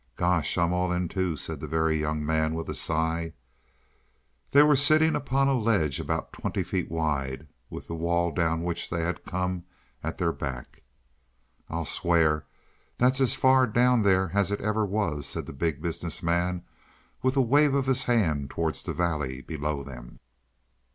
"Gosh, I'm all in, too!" said the Very Young Man with a sigh. They were sitting upon a ledge about twenty feet wide, with the wall down which they had come at their back. "I'll swear that's as far down there as it ever was," said the Big Business Man, with a wave of his hand towards the valley below them.